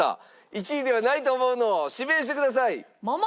１位ではないと思うのを指名してください！